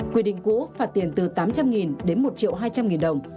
quy định cũ phạt tiền từ tám trăm linh đến một triệu hai trăm linh đồng